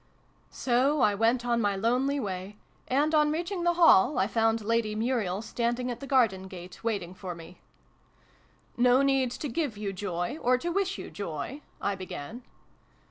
So I went on my lonely way, and, on reach ing the Hall, I found Lady Muriel standing at the garden gate waiting for me. " No need to give you joy, or to wish you joy ?" I began.